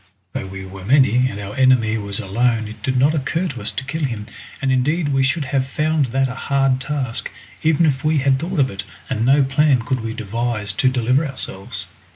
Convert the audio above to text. Though we were many and our enemy was alone it did not occur to us to kill him, and indeed we should have found that a hard task, even if we had thought of it, and no plan could we devise to deliver ourselves.